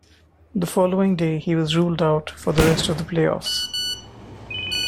The following day, he was ruled out for the rest of the playoffs.